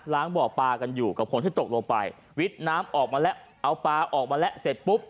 บ่อปลากันอยู่กับคนที่ตกลงไปวิทย์น้ำออกมาแล้วเอาปลาออกมาแล้วเสร็จปุ๊บ